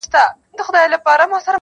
خو خپل عمل بدلولای نه سي-